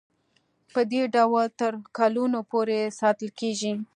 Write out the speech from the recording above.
پدې ډول تر کلونو پورې ساتل کیږي.